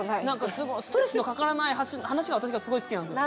すごいストレスのかからない話が私がすごい好きなんですよ。